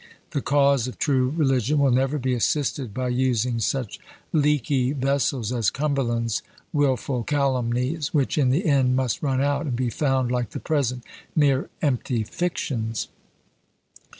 The cause of true religion will never be assisted by using such leaky vessels as Cumberland's wilful calumnies, which in the end must run out, and be found, like the present, mere empty fictions!